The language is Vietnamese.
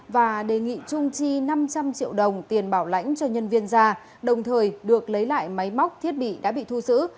và đề nghị trung chi năm trăm linh triệu đồng tiền bảo lãnh cho nhân viên ra đồng thời được lấy lại máy móc thiết bị đã bị thu giữ